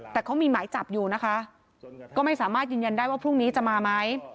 แต่เขามีหมายจับอยู่นะคะก็ไม่สามารถยืนยันได้ว่าพรุ่งนี้จะมาไหม